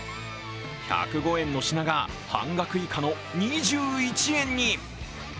１０５円の品が半額以下の２１円に。